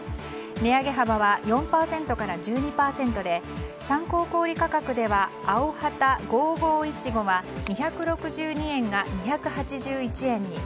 値上げ幅は４％から１２％で参考小売価格ではアヲハタ５５イチゴは２６２円が２８１円に。